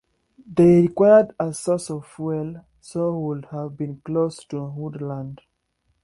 They required a source of fuel, so would have been close to woodland.